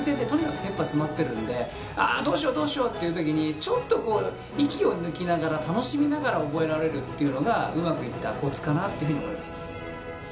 あどうしようどうしようっていう時にちょっとこう息を抜きながら楽しみながら覚えられるっていうのがうまくいったコツかなっていうふうに思います。